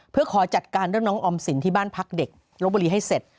เพื่อขอจัดการเรื่องน้องออมสินที่บ้านพักเด็กลบบุรีให้เสร็จ